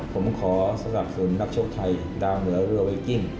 ผมขอสนับสนุนนักชกไทยดาวเหนือเรือเวกิ้ง